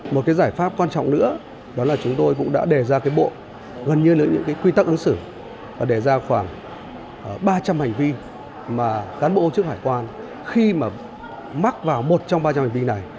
một cái giải pháp quan trọng nữa đó là chúng tôi cũng đã đề ra cái bộ gần như là những quy tắc ứng xử và đề ra khoảng ba trăm linh hành vi mà cán bộ công chức hải quan khi mà mắc vào một trong ba trăm linh hành vi này